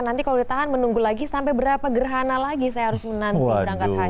nanti kalau ditahan menunggu lagi sampai berapa gerhana lagi saya harus menanti berangkat haji